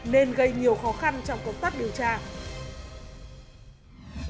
nên gây nhiều khó khăn trong công tác điều tra